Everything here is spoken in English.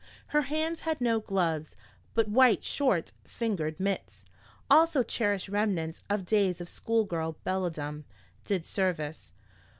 Her hands had no gloves, but white short fingered mitts, also cherished remnants of days of schoolgirl belledom, did service.